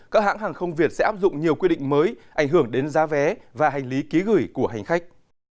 các hãng hàng không việt sẽ áp dụng nhiều quy định mới ảnh hưởng đến giá vé và hành lý ký gửi của hành khách